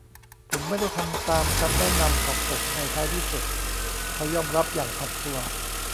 ผมไม่ได้ทำตามคำแนะนำของผมในท้ายที่สุด เขายอมรับอย่างถ่อมตัว